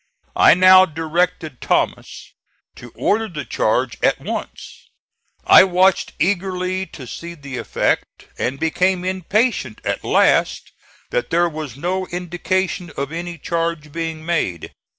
I now directed Thomas to order the charge at once (*16). I watched eagerly to see the effect, and became impatient at last that there was no indication of any charge being made.